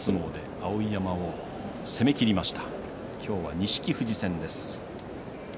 碧山を攻めきりました。